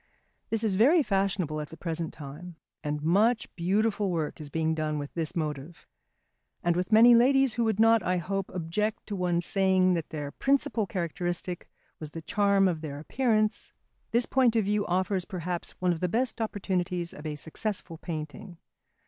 This is very fashionable at the present time, and much beautiful work is being done with this motive. And with many ladies who would not, I hope, object to one's saying that their principal characteristic was the charm of their appearance, this point of view offers, perhaps, one of the best opportunities of a successful painting.